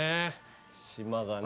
島がね